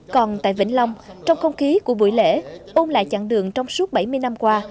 còn tại vĩnh long trong không khí của buổi lễ ôn lại chặng đường trong suốt bảy mươi năm qua